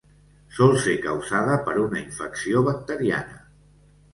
Sol ser causada per una infecció bacteriana.